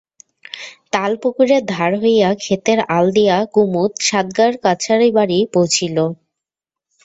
তালপুকুরের ধার হইয়া ক্ষেতের আল দিয়া কুমুদ সাতগার কাছারিবাড়ি পৌছিল।